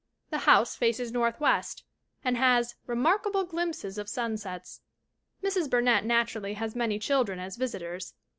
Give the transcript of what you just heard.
The house faces northwest and has "remarkable glimpses of sun sets." Mrs. Burnett naturally has many children as visitors.